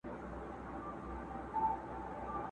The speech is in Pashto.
مستي مو توبې کړې تقدیرونو ته به څه وایو،